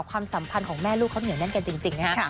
ความสัมพันธ์ของแม่ลูกเขาเหนียวแน่นกันจริงนะฮะ